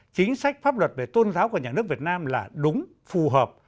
chính sách pháp luật về tôn giáo của nhà nước việt nam là đúng phù hợp